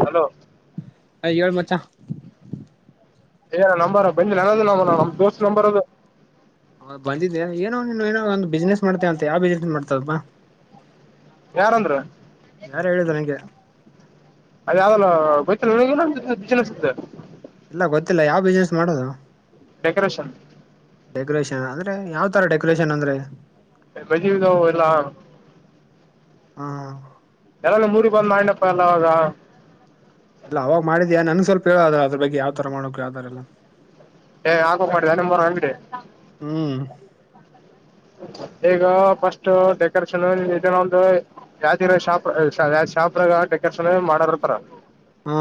Hello ಏಳ ಮಚಾ ಏ ನಂಬಾರ ಬಂದ ನನ್ನದು ನಂಬ ನಮ್ ದೋಸ್ತ್ ನಂಬರ್ ಅದು ಹೌದ್ ಬಂದಿದೆ ಏನೋ ನೀನು ಏನೋ ಒಂದು ಬಿಸ್ನೆಸ್ ಮಾಡ್ತೇ ಅಂತ ಯಾವ ಬಿಸ್ನೆಸ್ ಮಾಡ್ತದವಾಾ ಯಾರಂದ್ರ ಯಾರು ಹೇಳಿದ ನಂಗೆ ಅದ ಯಾವ್ದಲ್ಲ ಗತ ಬಜಿನ ಸಿುತ್ತೆ ಇಲ್ಲ ಗೊತ್ತಿಲ್ಲ ಯಾವ್ ಬಿಸ್ನೆಸ್ ಮಾಡೋದು ಡೆಕರೇಷನ್ ಡೆಕೋರೇಷನ್ ಅಂದ್ರೆ ಯಾವ್ ತರ ಡೆಕೋರೇಷನ್ ಅಂದ್ರೆ ಎಬ ಜೀವಿತ ಎಲ್ಲಾ ಹಾ ನಿಮ್ಮೂರಿಗ್ ಬಂದ್ ಮಾಡ್ಲಾ ಕಾಲ್ [unintelligible] ಇಲ್ಲ ಅವಾಗ ಮಾಡಿದ್ಯಾ ನನ್ ಸ್ವಲ್ಪ ಹೇಳ್ ಅದ್ರ ಬಗ್ಗೆ ಯಾವತರ ಮಾಡ್ಬೇಕ್ ಯಾವ್ ತರ ಇಲ್ಲ. ಎ [unintelligible] ಎರಡ್ ನಂಬರ್ ಅಂಗಡಿ. ಹ್ಮ್ ಈಗ ಫಸ್ಟ್ ಡೆಕೋರೇಷನ್ ಇದನ್ನ ಒಂದು ಯಾವ ಇರೋ ಶಾಪ್ ಯಾವ್ ಶಾಪ್. ತಿರ್ಗಾ ಡೆಕೋರೇಷನ್ ಮಾಡರ್ ಇರ್ತಾರ. ಹಾ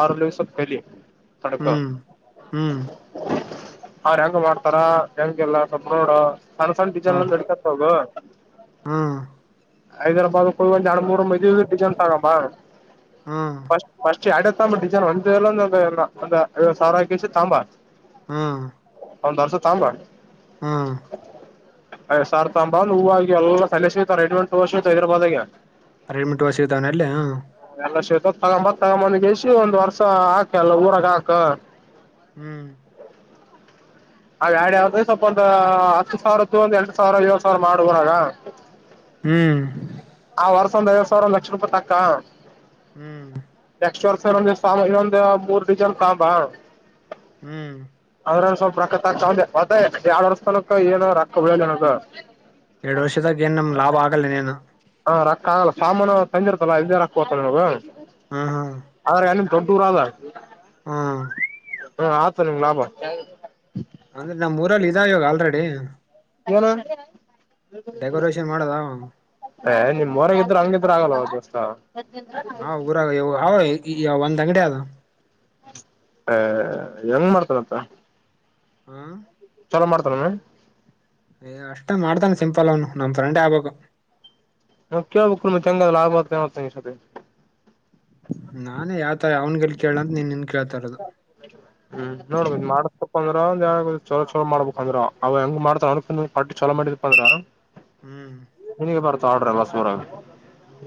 ಆರಲ್ಲಿವಸ ಕಲಿ ತಡಕ [unintelligible] ಹ್ಮ್ ಹ್ಮ್ ಅವ್ರು ಹೆಂಗ್ ಮಾಡ್ತಾರ ಹೆಂಗೆಲ್ಲ ಸ್ವಲ್ಪ್ ನೋಡ ಸಣ್ಣ ಸಣ್ಣ ವಿಚಾರ್ ಯ್ಸ್ಕೊಲ್ಲಾ ನೋಡ್ಕೊಂಡ್ ಹೋಗು. ಹ್ಮ್ ಹೈದರಾಬಾದ ಕುಲ್ವಂದ ಎರಡ್ ಮೂರು [unintelligible] ಹಾ ಅಡತಾಂಬ ಡಿಜನ್ ಅಂದಲ್ಲ ಅ ಸಾವಾರಾಕಿಸೆ ತಕ್ಕೊಂಡ್ ಬಾ. ಹ್ಮ ಒಂದ್ರ್ಸ ತಂಬಾ ಹ್ಮ್ಮ್ಮ್ ಯ್ ಸಾರ್ ತಾಂಬಾ ಹೂವು ಆ ಎಲ್ಲ ತಲೆ ಸತಾರೆ ಎಂಟೆಂಟು ವರ್ಷ ಹೈದರಾದಾಗ. ರೆಡಿಮಿಂಟ್ ಸಿಗ್ತವೆ ಅಲ್ಲಿ ಹ್ಮ್ಮ್ [unintelligible] ಒಂದ ವರ್ಸ ಹಾಕ ಎಲ್ಲ ಊರಾಗ ಹಾಕ ಹ್ಮ್ ಅವ್ಯಾಡ ಯಾವ್ರೆ ಸ್ವಲ್ಪ ಒಂದ ಹತ್ತು ಸಾವಿರತ್ತು ಒಂದ್ ಎಂಟು ಸಾವಿರ ಏಳ್ ಸಾವಿರ ಮಾಡು ಊರಾಗ. ಹ್ಮ್ ಆ ವರ್ಸ ಒಂದ್ ಐವತ್ತು ಸಾವಿರ ಒಂದ್ ಲಕ್ಷ ರೂಪಾಯಿ ತಕ್ಕ. ಹ್ಮ್ [unintelligible] ಮೂರ್ ದಡಿಜನ್ ಸಾಂಬಾ ಹ್ಮ್ ಅ್ರ ಸ್ವಲ್ಪ ರಕ್ಕತ ಆಕ್ತೆ ಮ ಎರಡ್ ವರ್ಸ್ ತನಕ ಏನ ರೊಕ್ಕ ಬೆಳ ಏನದು. ಎರಡು ವರ್ಷದಾಗ ಏನಮ್ ಲಾಭ ಆಗಲ್ಲನೇನು. ಹ ರೊಕ್ಕ ಆಗಲ್ಲ ಸಾಮಾನು ತಂದಿರ್ತಲ್ಲ ಇದೇ ರೊಕ್ಕ ಹತಾನ ನಮಗ ಹ್ಮ್ ಆದ್ರೆ. ಧೊಡ್ದರಾಗ್ ಹ್ಮ್ಮ್ ಹಾ ಆತ ನಿಮ್ ಲಾಭ ಅಂದ್ರೆ ನಮ್ಮೂರಲ್ಲಿ ಇದ ಇವಾಗ ಆಲ್ರೆಡಿ. ಏನು [inaudible] ಡೆಕೋರೇಷನ್ ಮಾಡದ ಎ ನಿಮ್ ಊರಾಗ್ ಎದ್ದೂರ್ ಹಂಗೆ [unintelligible] ಹಾ ಊರಾಗ ಹ ಈ ಒಂದ್ ಅಂಗಡಿ ಅದು. ಹ ಹೆಂಗ ಮಾಡ್ತಾನತ್ತ ಹಾಆಆ ಲ್ಲ ಮಾಡ್ತಾರಮ್ಮ ಯ ಅಷ್ಟೇ ಮಾಡ್ತಾನ ಸಿಂಪಲ್ ಅವನು ನಮ್ ಫ್ರೆಂಡ್ ಆಗ್ಬೇಕು. [unintelligible] ನಾನೇ ಯಾವತರ ಅವಾವನಗಲ್ ಕೇಳಂತ ನೀನ್. ಕೇಳ್ತಾ ಇರೋದು ಹ್ಮ್ ನೋಡ್ಬದು ಮಾಡಕಪ್ಪ ಚಲ ಚಲೋ ಮಾಡ್ಬೇಕು ಅಂದ್ರ ಅವ ಹೆಂಗ ಮಾಡ್ತ ಅನ್ ಪಾಟೀ ಚಲೋ ಮಾಡಿದಿ ಅಂದ್ರ. ಹ್ಮ್ ನಿನಗೆ ಬರ್ತ [unintelligible]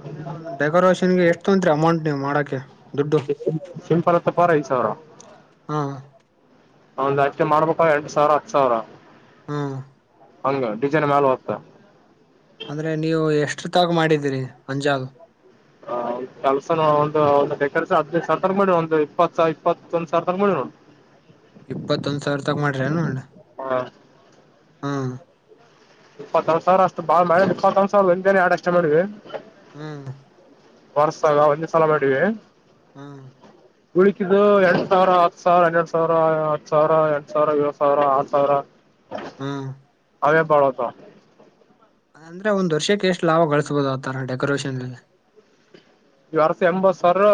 ಅಂದೆ ಒಂದ್ ಡೆಕೋರೇಷನ್ ಗೆ ಎಷ್ಟು ತೊಂತ್ರಿ ಅಮೌಂಟ್ ನೀವು ಮಾಡಕೆ. ಸಿಂಪಲ್ ತಕೊರ್ ಐದ್ ಸಾವಿರ. ಹಾ ಒಂದ್ ಅಷ್ಟೆ ಮಾಡ್ಬೇಕ ಎರಡ್ ಸಾವಿರ ಹತ್ತು ಸಾವಿರ. ಹ್ಮ್ಮ್ಮ್ ಹಂಗ ಡಿಸೈನ್ ಮಾಲ್ಯ ಹೋಗುತ್ತೆ ಅಂದ್ರೆ ನೀವು ಎಷ್ಟ್ರ ತಾವು ಮಾಡಿದೀರಿ ಅಂದಾಜು ಹ ಕೆಲ್ಸನ ಒಂದು ಒಂದು ಹದಿನದು ಸರ್ರ ತರ ಮಾಡಿ ಒಂದ್ ಇಪ್ಪತ್ ಇಪ್ಪತ್ತೊಂದ್ ಸರ್ರ ತರ ಮಾಡಿ ನೋ ಇಪ್ಪತ್ತೊಂದ್ ಸಾವಿರ ತಗ ಮಾಡ್ರಿ ಏನ ಹಾ ಹ್ಮ್ ಇಪ್ಪತ್ತ ಒಂದು ಸಾವರ ಅಷ್ಟ ಬಾಳ ಮಾಡ ಇಪ್ಪತ್ತ ಒಂದು ಸಾವರ ಒಂದೇನೆ ಅಷ್ಟು ಮಾಡ್ವಿ ಹ್ಮ್ ವರ್ಸಾಗ ಒಂದ್ ಸಲ ಮಾಡಿವಿ ಹ್ಮ ಉಳಿಕಿದು ಎರಡ್ ಸಾವಿರ ಹತ್ತು ಸಾವಿರ ಎನ್ನೆರಡು ಸಾವಿರ ಹತ್ತು ಸಾವಿರ ಎಂ ಸಾವಿರ ಏಳಳ್ ಸಾವಿರ ಆ ಸಾವಿರ ಹ್ಮ್ [unintelligible] ಅದಂದ್ರೆ ಒಂದ್ ವರ್ಷಕ್ಕೆ ಎಷ್ಟು ಲಾಭ ಗಳಿಸಬೋದು ಆತರ ಡೆಕೋರೇಷನ್ಲ್ಲಿ ಈ ವರ್ಷ ಎಂಬತ್ ಸಾವಿರ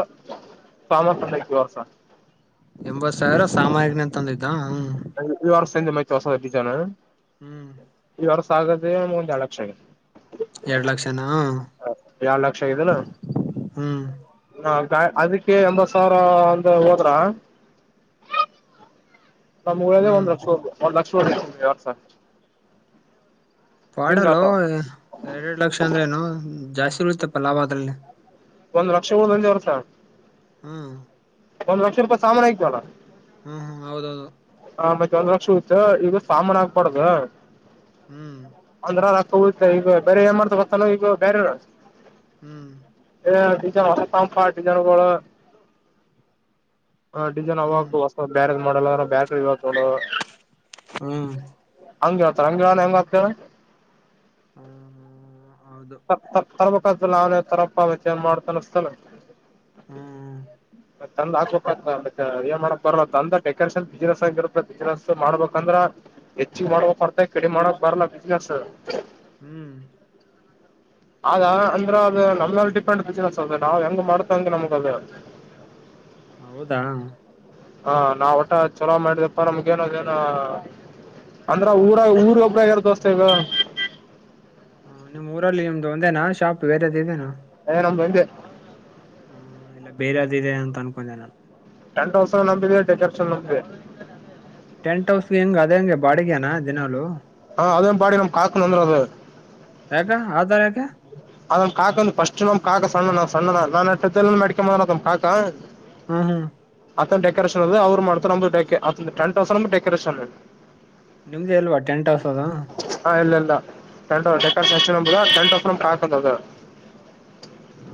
ಸಾಮಾನಿಗೆ ಆಯ್ತು ಈ ವರ್ಷ ಎಂಬತ್ತು ಸಾವಿರ ಸಾಮಾನೇ ತಂದಿದ್ದ ಹ್ಮ ಈ ವರ್ಷ ಹೊಸ ಡಿಸೈನ್ ಹ್ಮ್ ಈ ವರ್ಷ ಸಾಗದೆ ಒಂದು ಎರಡು ಲಕ್ಷ ಆಗ್ದೇ ಎರಡ್ ಲಕ್ಷನಾ ಎರಡು ಲಕ್ಷ ಅಗಿದೇನಾ ಹ್ಮ್ ಆ ಅದಿಕ್ಕೆ ಒಂದು ಎಂಬತ್ತು ಸಾವಿರ ಅಂತ ಹೋದ್ರ ನಮಗೆ ಉಳಿಯೋದೆ ಹ್ಮ್ ಒಂದ್ ಲಕ್ಷ ಒಂದ್ ಲಕ್ಷ ಪಾಡಲ್ಲೋ ಹಿಂಗಾತವ ಎರಡ್ ಎರಡ್ ಲಕ್ಷ ಅಂದ್ರೇನು ಜಾಸ್ತಿ ಉಳಿತ್ತಪ್ಪ ಲಾಭ ಅದ್ರಲ್ಲಿ ಒಂದ್ ಲಕ್ಷ ಒಂದೇ ವರ್ಷ ಹ್ಮ್ ಒಂದು ಲಕ್ಷ ರೂಪಾಯಿ ಸಾಮಾನು ಆಗಿದ್ವಲ್ಲ ಹ್ಮ್ ಹ್ಮ್ ಹೌದೌದು ಒಂದು ಲಕ್ಷ ಉಳೀತು ಈಗ ಸಾಮಾನು ಹಾಕಬಾರದ ಹ್ಮ್ ಹೌದಾ ಈಗ ಬೇರೆ ಏನ್ ಮಾಡ್ತಬರ್ತಲ್ಲ ಈಗ ಬೇರೆ ಅವ್ರು ಹ್ಮ್ ಹೇ ಡಿಸೈನ್ ಹೊಸದು ತಕೊಂಡುಬಪ್ಪಾ ಡಿಸೈಗಳು ಹ ಡಿಸೈನ್ ಹ್ಮ್ ಅವಾಗ್ತ ಹೊಸ ಬೇರೆ ಮಾಡೆಲ್ ಅದ್ರ ಬ್ಯಾಟ್ರಿ ಇವಾಗ ಚಲೋ ಹ್ಮ್ ಅಂಗ ಹೇಳ್ತರ ಹಂಗ್ ಹೇಳನ ಹೀಗೆ ಅಕ್ತಿರಾ ಹ್ಮ ಹೌದು [unintelligible] ಹ್ಮ್ ಮತ್ ತಂದ್ ಹಾಕ್ಬೇಕ ಮತ್ತ ಏನ್ ಮಾಡಕ್ ಬರಲ್ಲ ತಂದ ಡೆಕೋರೇಷನ್ ಬಬಿಸಿನೆಸ್ ಆಗಿರತ್ತ ಬಿಸಿನೆಸ್ ಮಾಡ್ಬೇಕಂದ್ರ ಹೆಚ್ಚಿ ಮಾಡಬೇಕು ವರ್ತೂ ಕಡಿಮೆ ಮಾಡಕ್ ಬರ್ಲಾ ಬಿಸಿನೆಸ್ ಹ್ಮ್ [inaudible] ಅದ ಅಂದ್ರ ಅದು ನಮಲ್ಲಿ ಡಿಪೆಂಡ್ ಬಿಸಿನಸ್ ಅದ ನಾವ್ ಹೆಂಗ್ ಮಾಡ್ತ ಅಂದ್ರ ನಮಗ ಅದು ಹೌದಾ ಹಾ ನಾವ್ ಒಟ ಚಲೋ ಮಾಡಿದಪ್ಪ ನಮ್ಗೇನದೇನ ಅಂದ್ರ ಊರ ಊರಿ ಒಬ್ಬರೇ ಯಾರ ದೋಸ್ತ ಈಗ ಹ ನಿಮ್ ಊರಲ್ಲಿ ನಿಮ್ದು ಒಂದೇನಾ ಶಾಪ್ ಬೇರೆದುಇದೇನ ನಮ್ದು ಒಂದೇ ಹ್ಮ ಎಲ್ಲ ಬೇರೆ ಇದೆ ಅಂತ ಅನ್ಕೊಂಡೆ ನಾನು ಟೆಂತ್ ಹೌಸ್ ನಮ್ದೇ ಡೆಕೋರೇಷನ್ ನಮ್ದೇ ಟೆಂಟ್ ಹೌಸ್ ಹೆಂಗ ಅದೇ ಹಂಗೆ ಬಾಡಿಗೆನಾ ದಿನಲು ಅದೇ ಬಾಡಿ ನಮ್ ಕಾಕೊಂಡ ಅಂದರದು ಯಾಗ ಆದಯಾ ಯಾಕ ಅದ್ ಕಾಕಾ ಅ ಫಸ್ಟ್ ನಮ್ಮ ಕಾ ಸಣ್ಣ ನ ಸಣ್ಣ ನಾ ನ ಅಡಕೊಂಡಂಬಂದ ಅದ್ ಕಾ ಹ್ಮ್ ಹ್ಮ್ ಅತ ಡೆಕೋರಷನ್ ಅದು ಅವರು್ತ ನ್ದ ಟನ್ ತೌಸಂಡ್ ಡೆಕೋೇಷನ್ ನಿಮ್ದು ಅಲ್ವಾ ಟೆಂಟ್ ಹೌಸ್ ಅದು ಟಂಟ್್ದ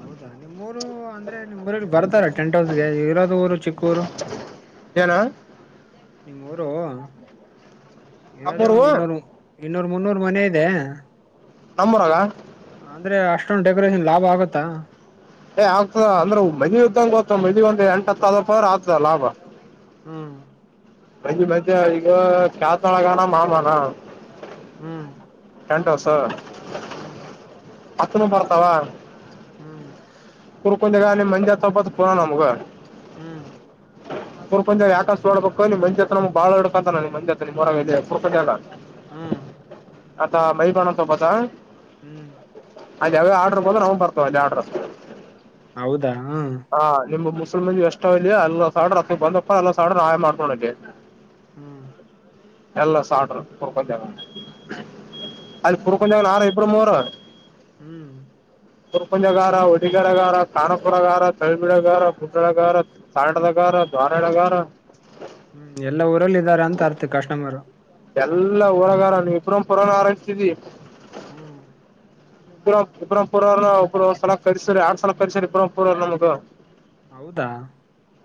ಹೌದಾ ನಿಮ್ೂಊರು ಅಂದ್ರೆ ನಿಮ್ ಊರಲ್ಲಿ ಬರ್ತಾರ ಟೆಂಟ್ ಹೌಸ್ಗೆ ಇರೋದ ಊರು ಚಕ್ಕೂರು ಏನ ನಿಮ್ಮ್ಊರು ಇರದೇ ನಮ್ಮೂರು ಒಂದು ಇನ್ನೊರು ಇನ್ನೂರ್ ಮುನ್ನೂರು ಮನೆ ಇದೆ ನಮ್ಮೋರಾಗ ಅಂದ್ರೆ ಅಷ್ಟೊಂದು ಡೆಕೋರೇಷನ್ ಲಾಭ ಆಗತ್ತಾ ಏ ಆಗ್ತದ ಅಂದ್ರೆ ಮದ್ವಿ ಇದ್ದಂಗಗೆ ಗೊತ್ತ ಮದ್ವಿ ಒಂದ್ ಎಂಟ ಅತ್ತಪ್ಪ ಅವ್ರ ಆಗ್ತದ ಲಾಭ ಹ್ಮ್ ಮಜ ಮದೆ ಈಗ ಕಾತಳಗಾನ ಮಾಮಾನ ಹ್ಮ್ ಅಂಟ ಸ ಹ್ಮ್ ಹಸುನು ಬರ್ತಾವ ಹ್ಮ್ ಕುರ್ಕೊಂಡಿಗ ನಿಮ ಮಜ ಹತ್ ಪೋನನ ನಮಗೂ ಹ್ಮ್ ಪೂರ್ಪ ಕ ಆಕಾಸ್ುಡ್ಬೇಕ ಮಂಜ ಹತ್ರನಮ್ ಬಾಳ ಹಡಕತಾನಮಂಜ ಹತ್ರ ನಿಮ್ಮ್ರ ಪರ್ಪಂಜ ಎಲ್ಲ ಹ್ಮ ಅತ ಬೈ ಬಣಂತ ಬತ ಹ್ಮ್ ಅದ ಯಾವೇ ಆರ್ಡರ್ ಬಂದ್ರೆ ಅವನ್ನ ಬರ್ಕೊ ಹೌದು ಹಾ ನಿಮ್ ಮುಸ್ಲ್ಮನ್ ಎಷ್ಟವಲ್ಲಿ ಅಲ್ಲ ಸಡ್ರ ಹ ಬಂದಪ್ಪ ಅಲ್ಲ ಸಡ ಆಹಾಯ ಮಾಡ್ಕೊಳಗೆ ಹ್ಮ್ ಎಲ್ಲ ಸರು ಪುರ್ಕಜ ಅಲ್ಲಿ ಪುರ್ಕಂಜನ್ ಆರು ಇಬ್ರು ಮೂರು ಹ್ಮ್ ಗುರ್ಪುಜಗಾರ ಹೊಡಿಗರಗಾರ ಕಾನಪುರಗಾರ ತಳಬಿಳಗಾರ ಗುಡ್ಡಳಗಾರ ತಂಡದಗಾರ ದ್ವಾರಳಗಾರ ಹ್ಮ್ ಎಲ್ಲ ಊರಲ್ಲಿ ಇದ್ದಾರೆ ಅಂತ ಅರ್ಥ ಕಸ್ಟಮರು ಎಲ್ಲಾ ಊರಗಾರ ನೀ ಇಬ್ರ ಪುರೋನ ಆರ್ತಿ ಹ್ಮ್ ಇ ಇಪರ ಪರ್ಾರ ಅ ಒಂದು ಸ್ಲ ಪರಿರಿಸರಿ ಆರ್ ಸಲ ಪರಿರಿಸರಿ ಇರ ಪರ್ಾರ ನಮಗೆ ಹೌದಾ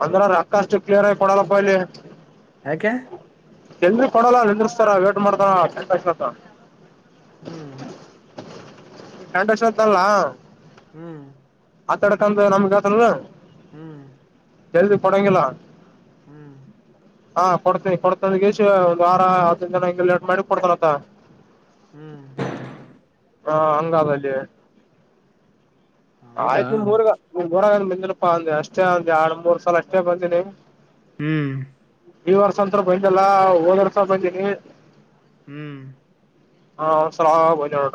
ಅಂದ್ರ ರೊಕ್ಕ ಅಕ್ಕಷ್ಟು ಕ್ಲಿಯರ್ ಆಗಿ ಕೊಡಲ್ಲಪ್ಪ ಇಲ್ಲಿ ಹಕ ಜಲ್ದಿ ಕೊಡಲ್ಲ ಎಂದ್ರಿಸಸ್ತಾರ ಲೆಟ್ ಮಾಡ್ತಾರ ಚತ್ತ ಹ್ಮ್ ಗಂಡ ವರ್ಷ ಹೊತ್ತಲ್ಲ ಹ್ಮ್ ಆತಡಕಂತ ನಮ್ಗ ಆತ ಅಲ್ಲ ಹ್ಮ್ ಜಲ್ದಿ ಕೋಡಂಗಿಲ್ಲ ಹ್ಮ್ ಹಾ ಕೊಡ್ತೀನಿ ಕೊಡ್ತಂದ ಒಂದ್ ವಾರ ಹದ್ಿನ ಹಂಗ ಲೇಟ್ ಮಾಡಿ ಕೊಡ್ತಾರತ್ತ ಹ್ಮ್ ಹಾ ಹಂಗಲ್ಲಿ ಹೌದಾ ಆಯ್ತು ನಿಮ ಮೂರ್ ಮೂರಾಗಂದ ಬಂದಿರಪ್ಪಾ ಅಂದ ಅಷ್ಟೇ ಅ ಎರಡ್ ಮೂರ್ ಸಲ ಅಷ್ಟೇ ಬಂದಿನಿ ಹ್ಮ್ ಈ ವರ್ಷ ಅಂತ ಬಂದಲ್ಲ ಹೋದ್ ವರ್ಷ ಬಂದೀನಿ ಹ್ಮ್ ಹಾ ಸಲಾ ಬನಡಟ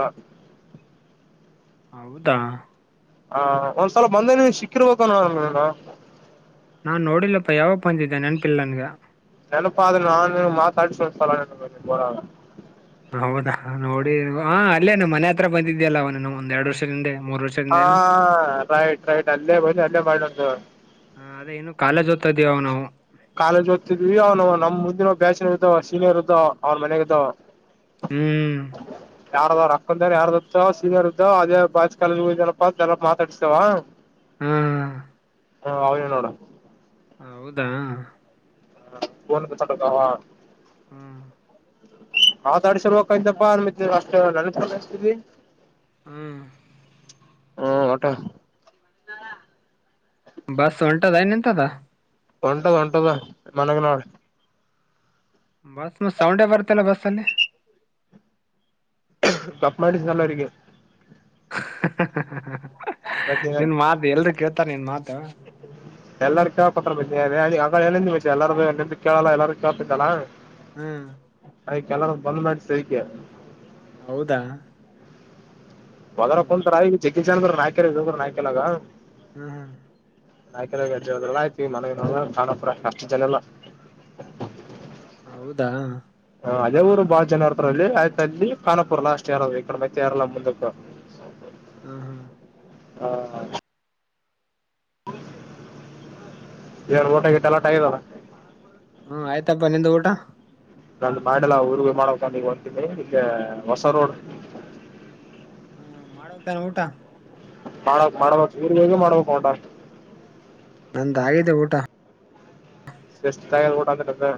ಹೌದಾ ಹಾ ಒಂದ್ಸಲ ಬಂದೇ ನೀನ್ ಸಿಕ್ಕಿರ್ಬೇಕ ನಾನ್ ನೋಡಿಲ್ಲಪ್ಪ ಯಾವಪ್ಪ ಅಂದಿದ್ದೆ ನೆನಪಿಿಲ್ಲನ್ಗ ನೆನಪಾ ಅದು ನಾನು ಮಾತಾಡಿ ನನ ಕೊರ ಹೌದಾ ನೋಡಿ ಹ ಅಲ್ಲೇನು ಮನೆ ಹತ್ರ ಬಂದಿದ್ದ್ಯಲ್ಲ ಅವನುನು ಒಂದ್ೆರಡ್ ವರ್ಷದಿಂದ ಹಾ ರೈಟ್ ರೈಟ್ ಅಲ್ಲೇ ಬಂದುಿ ಅಲ್ಲೇ ಮಾಡೊಂದು ಹಾ ಅದೇ ನ್ನುನು ಕಾಲೇಜ್ ಓದ್ತ ಇದ್ದೀ ನಾವು ಕಾಲೇಜ್ ಓದ್ತಿದ್ವಿ ಅವ ನಮ್ ಮುಂದಿನ ಬ್ಯಾಚಲರ್ ಇದಾವ ಸೀನಿಯರ್ ಇದ್ದ ಅವ್ರ ಮನೆಗ ಇದ್ದಾವ ಹ್ಮ್ ಯಾರದವ್ ಅಕ್ಕಂದ ಯಾರ್ದತ ಸೀನಿಯರ್ ಇದ್ದಾವ ಅದೇ ಬಾ ಕಾಲನಪ್ಪ ಅ ಎಲ್ಲ ಮಾತಾಡಸ್ತೇವ ಹ್ಮ್ ಹಾ ಹನ ನೋಡ ಹೌದಾ ಹ ಕನ್ ಕಸಟಕಾವ ಹ್ಮ್ ಆತಾಡ್ ಸರ್ಕಾಯತಪ್ಪ ಆ ಮ ಅಷ್ಟ ನನತಿದವಿ ಹ್ಮ್ ಹ್ಮ ಊಟ ಬಸ್ ಒಂಟದ ನಿಂತದ ಒಂಟದ ಹೊಂಟದ ಮನಗ್ ನೋಡ್ ಬಸ್ ಮ ಸೌಂಡೇ ಬರ್ತಲ್ಲ ಬಸ್ ಅಲ್ಲಿ ಕಪ್ಪ ಮಾಡಿಸನಲ ಅವರಿಗೆ [unintelligible] ಬ ನಿನ್ ಮಾತ್ ಎಲ್ರು ಕೇಳ್ತಾರ ನಿನ್ ಮಾತು ಎಲ್ಲಾರಕ್ಕಾ ಪತ್ರ ಬಜ ಅಂಗಗಳ ಹೇಳಿಂದ್ ಮ ಎಲ್ಲಾರು ನಿಮ್ದ ಕೇಳಲ್ಲ ಎಲ್ಲಾರು ಕೇಳ್ತಿದ್ದಲ್ಲಾ ಹ್ಮ್ ಅದ್ಕ್ಕೆಲ್ಲ ಬಂದ್ ಮಾಡ ಸದಕ್ಕೆ ಹೌದಾ ಬದ್ರ ಹ್ಮ್ ಕುಂತರ ಜಗ್ಗಜ ಜನ್ ನಾಯಕ ನಾಯ್ಕೆಲಗ ಹ್ಮ್ ಹ್ಮ್ ಆಾ್ಕ ಗಜ್ಜಲ್ಲ ಆಯ್ತಿವಿ ಮನಗ ತಾಣಪುರ ಅಷ್ಟು ಜನಲ್ಲ ಹೌದಾ ಅದೇವಊರು ಬಾಳ ಜನ ಇರ್ತಾರಲ್ಲಿ ಆಯ್ತ ಅಲ್ಲಿ ಕಾನಾಪುರ್ ಲಾಸ್ಟ್ ಯಾರ ಈ ಕಡೆ ಮೈತ್ತ ಯಾರಲ್ಲ ಮುಂದಕ್ಕ ಹ್ಮ ಹಾ ಹಾ ಹ ಇರ ಊಟಗಿ ತಲೋಟ ಇದಾರ ಹ್ಮ ಆಯ್ತಪ್ಪ ನಿಂದು ಊಟ ನಂದು ಮಾಡಲ್ಲ ಊರ್ವಿ ಮಾಡಕ್ ನೀ ಹೊಂತೀನಿ ಈಗ ಹೊಸ ರೋಡ್ ಹ್ಮ ಮಾಡೋಕ್ಕನ ಊಟ ಮಾಡಕ್ ಮಾಡ್ಬೇಕಕ್ ಊರ್ರಿಗೆ ಹಗ ಮಾಡ್ಬೇಕು ಉಂಟಷ್ಟ ನಂದ ಆಗಿದೆ ಊಟ ಎಸ್್ತಗ ಊಟ ಅಂತ್ದ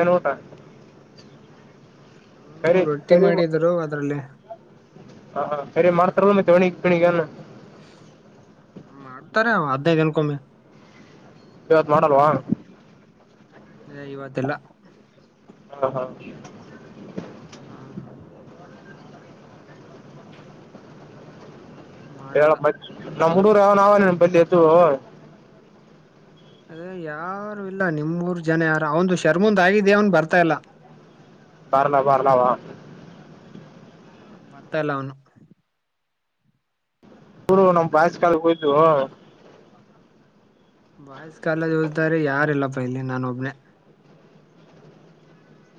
ಏನ್ ಊಟ ಹ್ಮ್ ಕರಿ ರೊಟ್ಟಿ ಕರಿ ಮಾಡಿದ್ರು ಅದ್ರಲ್ಲಿೇ ಹಾ ಸರಿ ಮಾಡ್ತಾರ ಮ ಒಣಿಗ್ ಪಣಿಗ ಮಾಡ್ತಾರೆ ಅವ ಹದ್ನೇ ಜನ್ಕೊಮ್ಮಿ ಇವತ್ ಮಾಡಲ್ವಾ [unintelligible] ಹಾ ಹಾ ಹಾ ಹೇಳ ಮಾಡಲ್ಲ ನಮ್ ಹಡುೂರ ಯಾವ ನ ಅವನನ್ ಬಲ್ಲಿ ಎದು ಅ ಯಾರು ಇಲ್ಲ ನಿಮೂರ್ ಜನ ಯಾರ ಅವಂದು ಶರ್ಮಂದ್ ಆಗಿದ ಅವನ್ ಬರ್ತಾ ಇಲ್ಲ ಬರ್ಲ ಬರ್ಲಾವಾ ಹ ಬರ್ತಾ ಇಲ್ಲ ಅವನು ಹೂರು ನಮ್ ಹ್ಮ್ ಬಾಯ ಕಾಲ ಹೋಯ್ದು ಬಾಯ್ಸ್ ಕಾಲದ ಹೋಲ್ತಾರೆ ಯಾರಿಲ್ಲಪ್ಪ ಇಲ್ಲಿ ನಾನ ಒಬ್ನೇ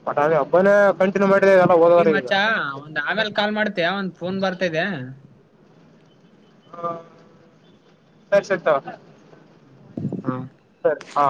ಮಟ್ ಹಬ್ಬನೇ ಕಂಟಿನ್ಯೂ ಮಾಡ ಸರಿ ಮಚಾ ಒಂದ್ ಆಗಲ್ ಕಾಲ್ ಮಾಡ್ತಯ ಒಂದ್ ಫೋನ್ ಬರ್ತಿದೆ ಹ ಸ ಸತ ಹ್ಮ ಹಾ ಸರಿ ಹಾ